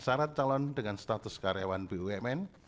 syarat calon dengan status karyawan bumn